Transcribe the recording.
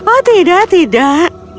oh tidak tidak